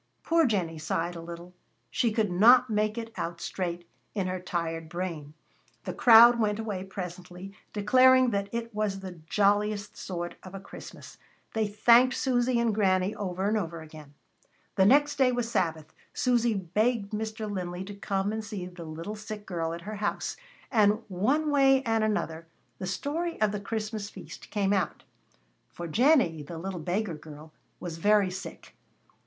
Poor Jennie sighed a little. She could not make it out straight in her tired brain. The crowd went away presently, declaring that it was the jolliest sort of a Christmas. They thanked Susy and Granny over and over again. The next day was Sabbath. Susy begged Mr. Linley to come and see the little sick girl at her house. And one way and another, the story of the Christmas feast came out. For Jennie, the little beggar girl, was very sick.